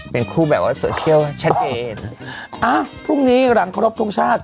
เป็นคู่แบบว่าโซเชียลชัดเจนอ่ะพรุ่งนี้หลังครบทรงชาติ